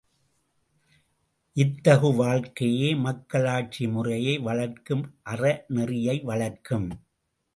இத்தகு வாழ்க்கையே மக்களாட்சி முறையை வளர்க்கும் அறநெறியை வளர்க்கும்.